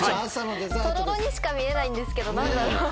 とろろにしか見えないんですけど何だろう？